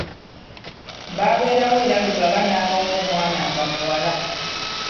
Baberawo era Lugaba n’abawa omwana nga muwala.